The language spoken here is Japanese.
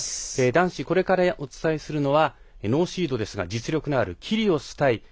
男子、これからお伝えするのはノーシードですが、実力のあるキリオス対